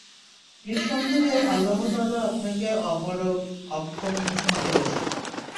নিঃসন্দেহে আল্লাহ তাআলা আপনাকে অপারগ অক্ষম ঘোষণা করেছেন।